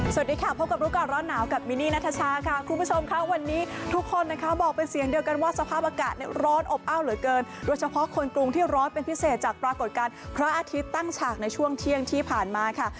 สวัสดีค่ะพบกับรู้ก่อนร้อนหนาวกับมินนี่นัทชาค่ะคุณผู้ชมค่ะวันนี้ทุกคนนะคะบอกเป็นเสียงเดียวกันว่าสภาพอากาศร้อนอบอ้าวเหลือเกินโดยเฉพาะคนกรุงที่ร้อนเป็นพิเศษจากปรากฏการณ์พระอาทิตย์ตั้งฉากในช่วงเที่ยงที่ผ่านมาค่ะ